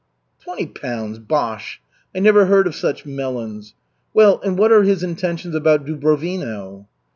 '" "Twenty pounds, bosh! I never heard of such melons. Well, and what are his intentions about Dubrovino?"